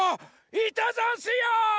いたざんすよ！